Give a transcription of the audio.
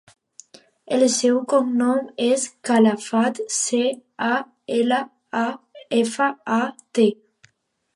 El seu cognom és Calafat: ce, a, ela, a, efa, a, te.